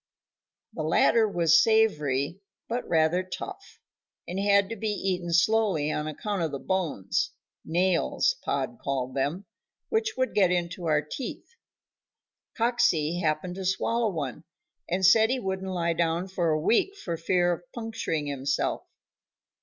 The latter was savory, but rather tough, and had to be eaten slowly on account of the bones nails, Pod called them which would get into our teeth. Coxey happened to swallow one, and said he wouldn't lie down for a week for fear of puncturing himself.